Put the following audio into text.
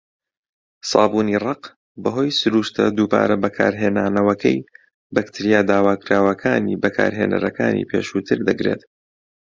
سابوونی ڕەق، بەهۆی سروشتە دووبارە بەکارهێنانەوەکەی، بەکتریا داواکراوەکانی بەکارهێنەرەکانی پێشووتر دەگرێت.